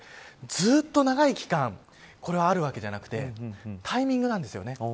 ずっと長い期間これがあるわけではなくてタイミングなんですよね。